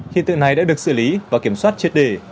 khi tựa này đã được xử lý và kiểm soát triệt đề